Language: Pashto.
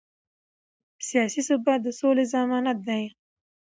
سیاسي ثبات د سولې ضمانت دی